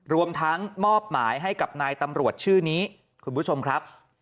รวมทั้งมอบหมายให้กับนายตำรวจชื่อนี้คุณผู้ชมครับ